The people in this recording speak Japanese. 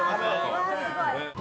わすごい。